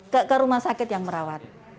ke rumah sakit yang merawat